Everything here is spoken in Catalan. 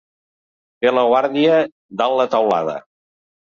Fer la guàrdia dalt la teulada